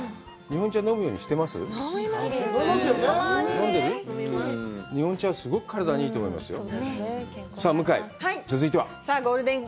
日本茶、すごく体にいいと思いますよ。